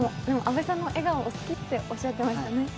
阿部さんの笑顔、好きっておっしゃっていましたね。